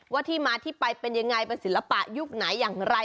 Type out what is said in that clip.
ที่มาที่ไปเป็นยังไงเป็นศิลปะยุคไหนอย่างไร